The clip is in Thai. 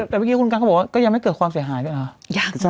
แต่เมื่อกี้คุณกันเขาบอกว่าก็ยังไม่เกิดความเสียหายด้วยเหรอ